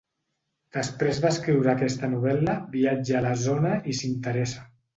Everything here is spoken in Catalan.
Després d'escriure aquesta novel·la viatja a la zona i s'hi interessa.